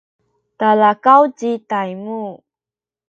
talakaw ci Taymu